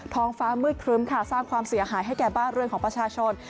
ท้องฟ้ามืดครึ้มค่ะสร้างความเสียหายให้แก่บ้านเรือนของประชาชน